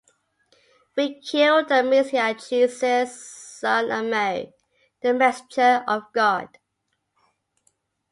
We killed the Messiah, Jesus, son of Mary, the messenger of God.